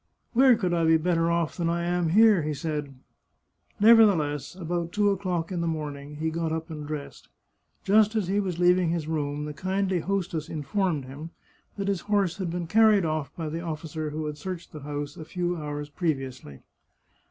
" Where could I be better off than I am here ?" he said. Nevertheless, about two o'clock in the morning he got up and dressed. Just as he was leaving his room the kindly hostess informed him that his horse had been carried off by the officer who had searched the house a few hours previously.